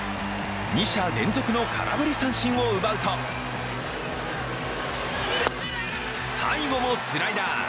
二者連続の空振り三振を奪うと最後もスライダー。